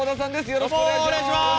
よろしくお願いします。